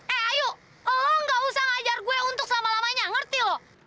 eh ayu lo nggak usah ngajar gue untuk selama lamanya ngerti lo